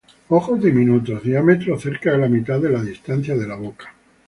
Ojos diminutos, diámetro cerca de la mitad de la distancia de la boca.